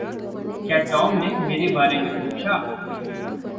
क्या टॉम ने मेरे बारे में पूँछा?